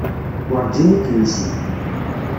Werǧin i d-yusi.